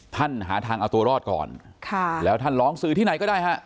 ท่านหาทางเอาตัวรอดก่อนแล้วท่านหลองซื้อที่ไหนก็ได้